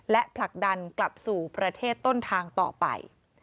และผลักดันกลับสู่ประเทศต้นทางต่อไป